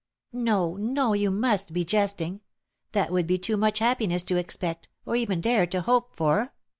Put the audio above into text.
"No, no, you must be jesting; that would be too much happiness to expect, or even dare to hope for."